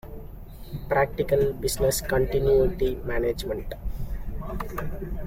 Practical Business Continuity Management.